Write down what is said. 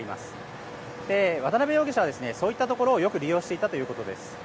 渡邉容疑者はそういったところをよく利用していたということです。